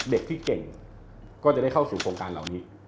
เด็กที่เก่งก็จะได้เข้าสู่โครงการเหล่านี้